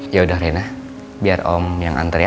yaudah reina biar om yang antar ya